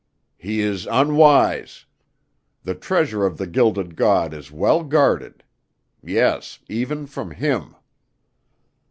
"He is unwise; the treasure of the Gilded God is well guarded. Yes, even from him."